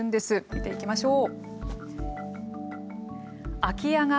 見ていきましょう。